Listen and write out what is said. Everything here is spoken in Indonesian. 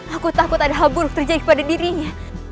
aku takut ada hal buruk terjadi kepada dirinya